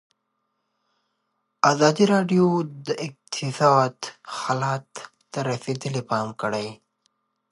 ازادي راډیو د اقتصاد حالت ته رسېدلي پام کړی.